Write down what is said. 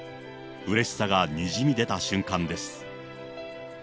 うれしさがにじみ出た瞬間です。